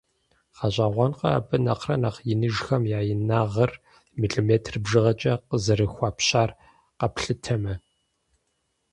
ГъэщӀэгъуэнкъэ, абы нэхърэ нэхъ иныжхэм я инагъыр милиметр бжыгъэкӀэ къазэрыхуэпщар къэплъытэмэ?!